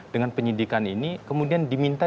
dengan penyidikan ini kemudian diminta